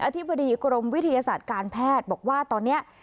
ธิบดีกรมวิทยาศาสตร์การแพทย์บอกว่าตอนนี้